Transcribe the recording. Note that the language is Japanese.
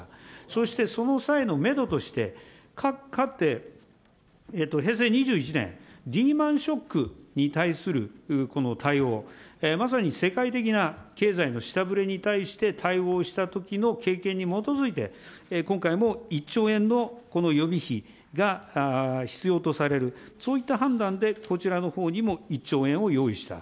そしてその際のメドとして、かつて平成２１年、リーマンショックに対するこの対応、まさに世界的な経済の下振れに対して対応をしたときの経験に基づいて、今回も１兆円のこの予備費が必要とされる、そういった判断で、こちらのほうにも１兆円を用意した。